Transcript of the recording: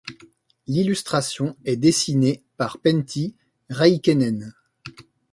L'illustration est dessinée par Penti Rahikainen.